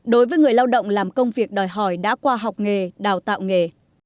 đối với người lao động làm công việc đòi hỏi đã qua học nghề đào tạo nghề